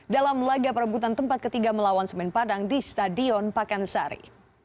dalam laga perebutan tempat ketiga melawan semen padang di stadion pakansari